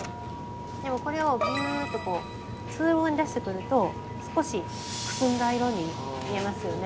でもこれをグーッとこう通路側に出してくると少しくすんだ色に見えますよね。